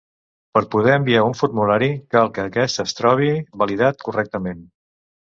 Per poder enviar un formulari cal que aquest es trobi validat correctament.